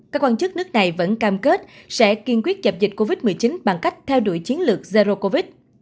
các quan chức nước này vẫn cam kết sẽ kiên quyết dập dịch covid một mươi chín bằng cách theo đuổi chiến lược zero covid